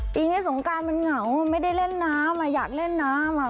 ปีนี้สงการมันเหงาไม่ได้เล่นน้ำอยากเล่นน้ำอ่ะ